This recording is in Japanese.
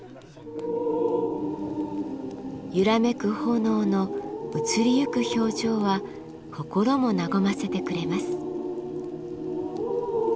揺らめく炎の移りゆく表情は心も和ませてくれます。